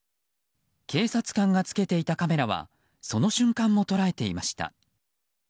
警察官がつけていたカメラはその瞬間も捉えていました。